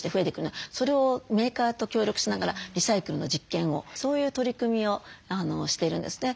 それをメーカーと協力しながらリサイクルの実験をそういう取り組みをしてるんですね。